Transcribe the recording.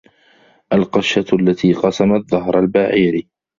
القشة التي قصمت ظهر البعير.